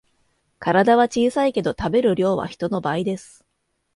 体は小さいけど食べる量は人の倍です